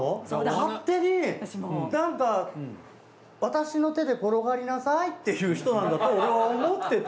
勝手になんか私の手で転がりなさいっていう人なんだと俺は思ってた。